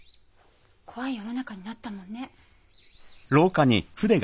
怖い世の中になったもんね。